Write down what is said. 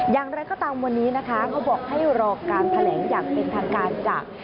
อย่างไรก็ตามวันนี้นะคะเขาบอกให้รอการแถลงอย่างเป็นทางการจาก